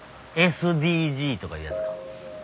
ＳＤＧとかいうやつか。